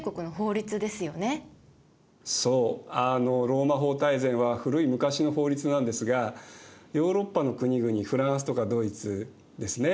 「ローマ法大全」は古い昔の法律なんですがヨーロッパの国々フランスとかドイツですね。